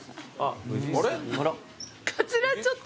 かつらちょっと。